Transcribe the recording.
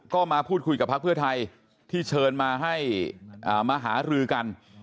ก็มาพูดคุยกับพักเพื่อไทยที่เชิญมาให้มาหารือกัน